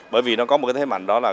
bởi vì nó có một thế mạnh đó là